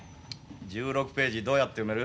１６ページどうやって埋める？